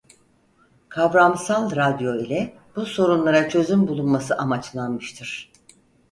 Kavramsal radyo ile bu sorunlara çözüm bulunması amaçlanmıştır.